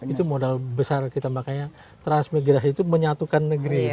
itu modal besar kita makanya transmigrasi itu menyatukan negeri